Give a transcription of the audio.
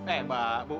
eh mbak bu